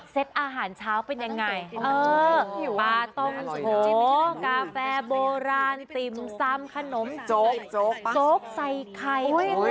เซ็ตอาหารเช้าเป็นยังไงปลาต้มโถกาแฟโบราณติมซ่ำขนมโจ๊กใส่ไข่